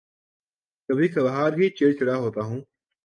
کبھی کبھار ہی چڑچڑا ہوتا ہوں